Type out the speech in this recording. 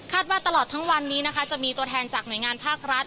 ว่าตลอดทั้งวันนี้นะคะจะมีตัวแทนจากหน่วยงานภาครัฐ